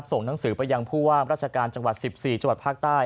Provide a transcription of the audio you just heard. ส่งหนังสือไปยังผู้ว่าราชการจังหวัด๑๔จังหวัดภาคใต้